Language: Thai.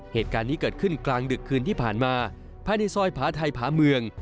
เหตุการณ์นี้เกิดขึ้นกลางดึกคืนที่ผ่านมาภายในซอยผาไทยผาเมือง